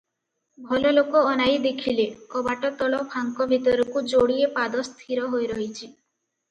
ଭଲଲୋକ ଅନାଇ ଦେଖିଲେ, କବାଟ ତଳ ଫାଙ୍କ ଭିତରକୁ ଯୋଡିଏ ପାଦ ସ୍ଥିର ହୋଇ ରହିଛି ।